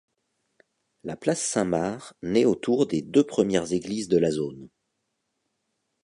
La place Saint-Marc naît autour des deux premières églises de la zone.